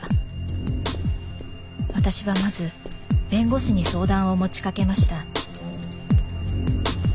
私はまず弁護士に相談を持ちかけました。